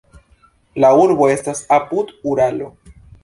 La urbo estas apud Uralo.